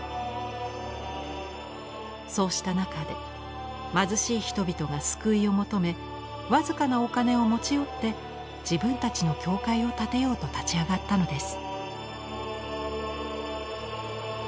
そうした中で貧しい人々が救いを求め僅かなお金を持ち寄って自分たちの教会を建てようと立ち上がったのです。